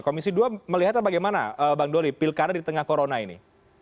komisi dua melihatnya bagaimana bang doli pilkada di tengah corona ini